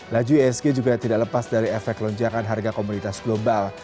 laju isg juga tidak lepas dari efek lonjakan harga komoditas global